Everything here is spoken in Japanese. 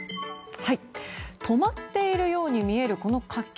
止まっているように見えるこの火球。